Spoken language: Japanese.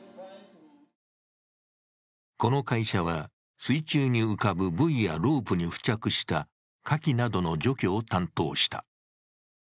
この会社は、水中に浮かぶブイやロープに付着したカキなどの除去を担当した。